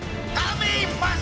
kami masih kurang yakin